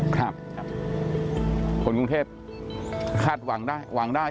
ผลกรุงเทพหวังได้ใช่ไหม